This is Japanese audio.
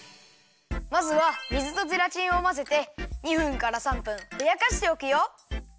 まずは水とゼラチンをまぜて２分から３分ふやかしておくよ。